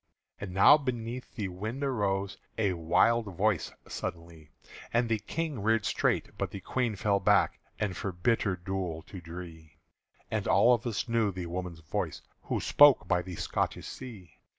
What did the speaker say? And now beneath the window arose A wild voice suddenly: And the King reared straight, but the Queen fell back As for bitter dule to dree; And all of us knew the woman's voice Who spoke by the Scotish Sea.